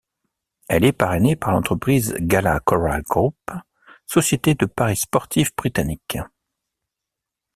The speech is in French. Elle est parrainée par l'entreprise Gala Coral Group, société de paris sportifs britannique.